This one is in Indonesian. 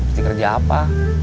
di kerja apa